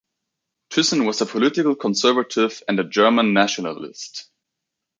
Thyssen was a political conservative and a German nationalist.